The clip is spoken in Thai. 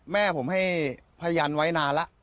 แม่ผมให้พยานไว้นานแล้ว